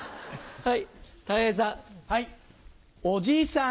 はい。